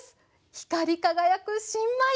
光り輝く新米！